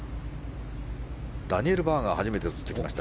ダニエル・バーガーが初めて映ってきました。